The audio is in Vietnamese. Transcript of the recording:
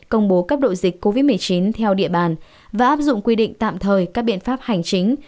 công bố cấp đội dịch covid một mươi chín theo địa bàn và áp dụng quy định tạm thời các biện pháp hành chính